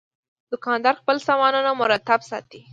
دوکاندار خپل سامانونه مرتب ساتي.